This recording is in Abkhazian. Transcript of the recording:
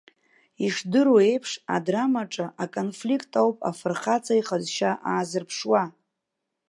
Ишдыру еиԥш, адрамаҿы аконфлиқт ауп афырхаҵа иҟазшьа аазырԥшуа.